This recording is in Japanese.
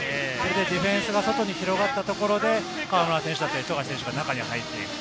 ディフェンスが外に広がったところで河村選手だったり、富樫選手が中に入っていく。